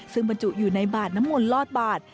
ซึ่งบรรจุอยู่ในบาทน้ำมนต์ลอดบาท